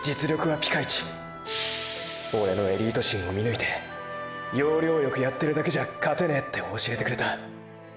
オレのエリート心を見抜いて要領よくやってるだけじゃ勝てねェって教えてくれた。